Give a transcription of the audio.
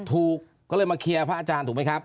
ถูกก็เลยมาเคลียร์พระอาจารย์ถูกไหมครับ